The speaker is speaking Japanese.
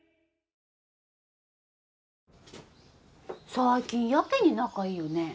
最近やけに仲いいよね。